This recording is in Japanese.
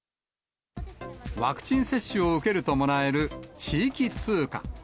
ワクチン接種を受けるともらえる地域通貨。